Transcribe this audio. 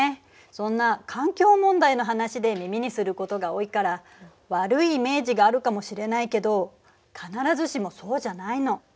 そんな環境問題の話で耳にすることが多いから悪いイメージがあるかもしれないけど必ずしもそうじゃないの。